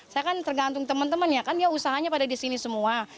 saya kan tergantung teman teman ya kan dia usahanya pada di sini semua